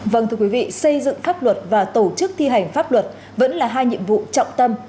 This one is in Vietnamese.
vâng thưa quý vị xây dựng pháp luật và tổ chức thi hành pháp luật vẫn là hai nhiệm vụ trọng tâm